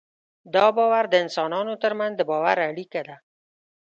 دا باور د انسانانو تر منځ د باور اړیکه ده.